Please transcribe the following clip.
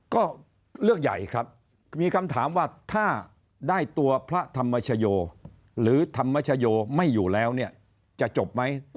ก็เรื่องใหญ่ครับมีคำถามว่าถ้าได้ตัวพระธรรมชโยหรือธรรมชโยไม่อยู่แล้วเนี่ยจะจบไหม